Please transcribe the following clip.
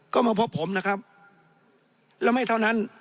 ก็มาพบผมนะครับแล้วไม่เท่านั้น